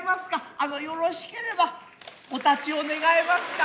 あのよろしければお立ちを願えますか。